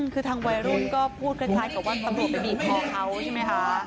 คือทางวัยรุ่นก็พูดคล้ายกับว่าตำรวจไปบีบคอเขาใช่ไหมคะ